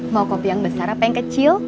mau kopi yang besar apa yang kecil